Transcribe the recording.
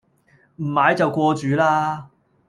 唔買就過主啦